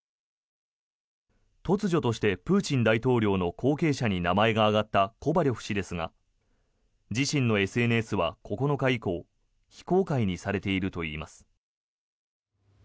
突如としてプーチン大統領の後継者に名前が挙がったコバリョフ氏ですが自身のＳＮＳは９日以降非公開にされているといいます。